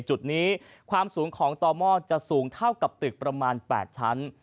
จุดนี้ความสูงของต่อหม้อจะสูงเท่ากับตึกประมาณ๘ชั้น